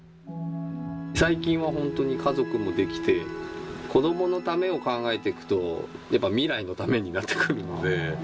最近は本当に家族もできて、子どものためを考えていくと、やっぱ未来のためになってくるので。